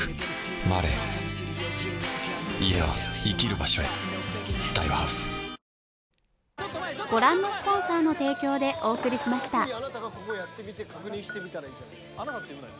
「ＭＡＲＥ」家は生きる場所へ７８。